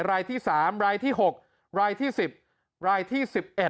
รายที่๓รายที่๖รายที่๑๐รายที่๑๑